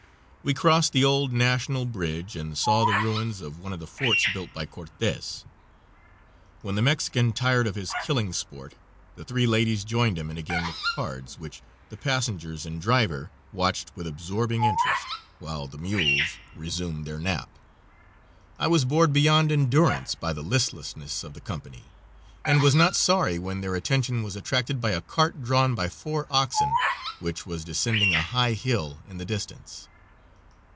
We crossed the old national bridge and saw the ruins of one of the forts built by Cortes. When the Mexican tired of his killing sport the three ladies joined him in a game of cards, which the passengers and driver watched with absorbing interest, while the mules resumed their nap. I was bored beyond endurance by the listlessness of the company, and was not sorry when their attention was attracted by a cart drawn by four oxen, which was descending a high hill in the distance.